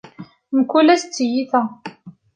Mkul ass, d tiyita.